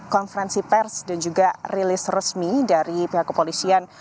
konferensi pers dan juga rilis resmi dari pihak kepolisian